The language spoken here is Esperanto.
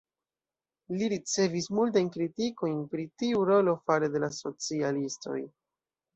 Li ricevis multajn kritikojn pri tiu rolo fare de la socialistoj.